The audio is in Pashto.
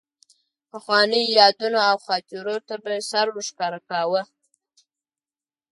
پخوانیو یادونو او خاطرو ته به سر ورښکاره کاوه.